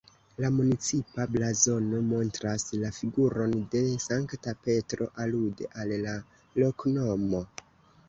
La municipa blazono montras la figuron de Sankta Petro alude al la loknomo.